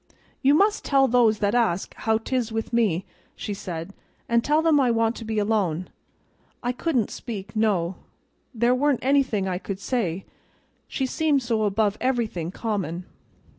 You must tell those that ask how 'tis with me,' she said, 'an' tell them I want to be alone.' I couldn't speak; no, there wa'n't anything I could say, she seemed so above everything common.